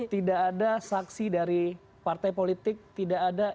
tidak ada saksi dari partai politik tidak ada